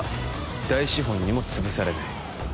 大資本にもつぶされない